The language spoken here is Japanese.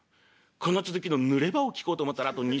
この続きのぬれ場を聞こうと思ったらあと２銭かかる。